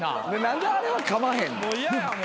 何であれはかまへんねん。